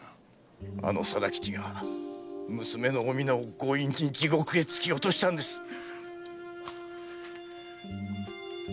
あの貞吉が娘の「おみな」を強引に地獄へ突き落としたんです！